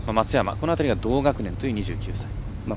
この辺りが同学年という２９歳。